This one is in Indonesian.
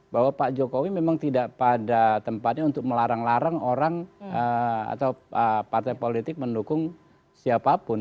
bahwa pak jokowi memang tidak pada tempatnya untuk melarang larang orang atau partai politik mendukung siapapun